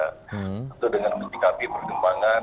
atau dengan meningkatkan perkembangan kondisi perkembangan